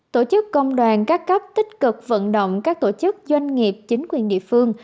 tổ chức công đoàn các cấp tích cực vận động các tổ chức doanh nghiệp chính quyền địa phương